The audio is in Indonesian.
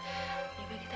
ya baik kita intip ya